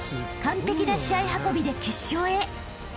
［完璧な試合運びで決勝へ］